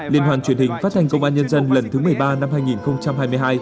liên hoàn truyền hình phát thanh công an nhân dân lần thứ một mươi ba năm hai nghìn hai mươi hai